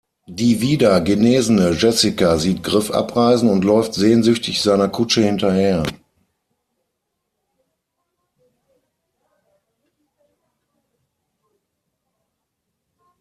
Die wieder genesene Jessica sieht Griff abreisen und läuft sehnsüchtig seiner Kutsche hinterher.